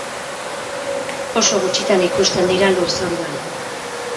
Oso gutxitan ikusten dira lurzoruan.